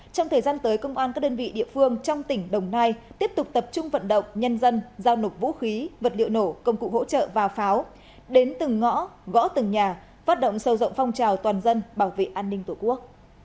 trong thời gian tới công an các đơn vị địa phương trong tỉnh đồng nai tiếp tục tập trung vận động nhân dân giao nộp vũ khí vật liệu nổ công cụ hỗ trợ và pháo đến từng ngõ gõ từng nhà phát động sâu rộng phong trào toàn dân bảo vệ an ninh tổ quốc